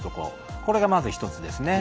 これがまず１つですね。